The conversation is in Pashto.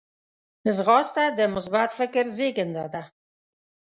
ځغاسته د مثبت فکر زیږنده ده